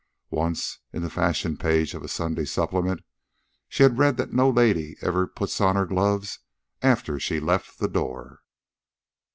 Once, in the fashion page of a Sunday supplement, she had read that no lady ever put on her gloves after she left the door.